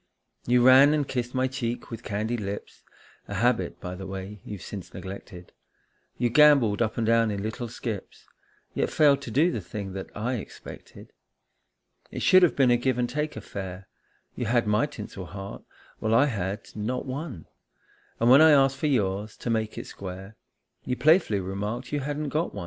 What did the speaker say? You ran and kissed my cheek with candied lips, A habit, by the way, you've since neglected ; You gambolled up and down in little skips, Yet failed to do the thing that I expected. It should have been a give and take affair; You had my tinsel heart, while I had not one, And when I asked for yours, to make it square, You playfully remarked you hadn't got one.